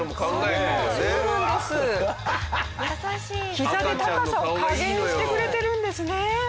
膝で高さを加減してくれてるんですね。